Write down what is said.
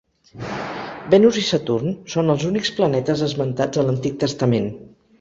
Venus i Saturn són els únics planetes esmentats a l'Antic Testament.